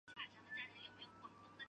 该机也可以空中加油。